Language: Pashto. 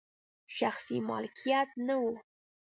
شخصي مالکیت نه و.